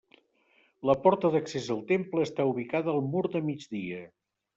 La porta d'accés al temple està ubicada al mur de migdia.